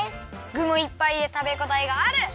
ぐもいっぱいでたべごたえがある！